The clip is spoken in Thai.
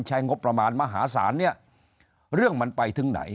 ใช้งบประมาณมหาศาลเนี่ยเรื่องมันไปถึงไหน